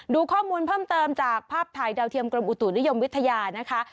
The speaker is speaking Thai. ดูข้อมูลเพิ่มเติมจากภาพถ่ายดาวเทียมกรมอุตุนิยมวิทยานะคะ